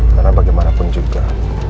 karena bagaimanapun juga